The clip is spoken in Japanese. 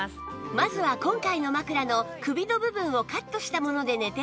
まずは今回の枕の首の部分をカットしたもので寝てみると